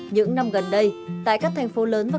những năm gần đây tại các thành phố lớn và các thành phố lớn